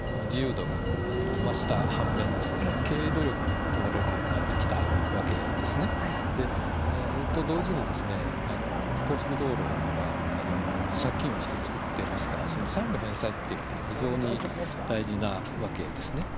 株式会社になって自由度が増した半面経営努力も問われるようになってくわけはですね。と同時に高速道路は借金をして造っていますからその債務返済ということも非常に大事なわけですね。